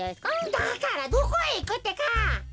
だからどこへいくってか。